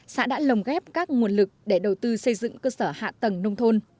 xã đã lồng ghép các nguồn lực để đầu tư xây dựng cơ sở hạ tầng nông thôn